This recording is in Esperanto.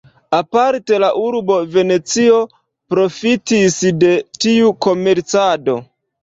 Aparte la urbo Venecio profitis de tiu komercado.